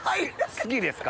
好きですか？